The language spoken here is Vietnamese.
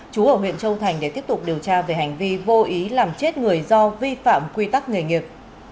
chú ở huyện châu thành để tiếp tục điều tra về hành vi vô ý làm chết người do vi phạm quy tắc nghề nghiệp